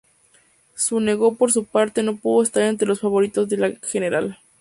Cunego, por su parte, no pudo estar entre los favoritos de la general.